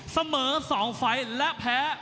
เสมอ๒ไฟล์และแพ้๑๓ไฟล์